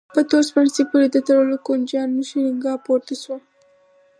په تور سپڼسي پورې د تړلو کونجيانو شرنګا پورته شوه.